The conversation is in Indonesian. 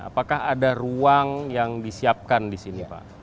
apakah ada ruang yang disiapkan di sini pak